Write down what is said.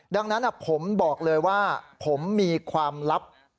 ดังนั้นผมบอกเลยว่าผมมีความลับ